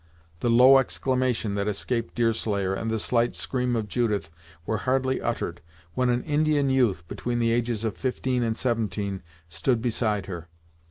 The low exclamation that escaped Deerslayer and the slight scream of Judith were hardly uttered, when an Indian youth, between the ages of fifteen and seventeen, stood beside her.